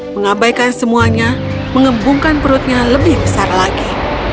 mengabaikan semuanya mengembungkan perutnya lebih besar lagi